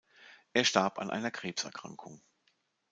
Er starb an einer Krebs-Erkrankung.